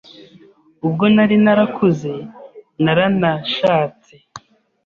ubwo nari narakuze naranashatse